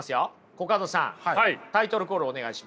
コカドさんタイトルコールお願いします。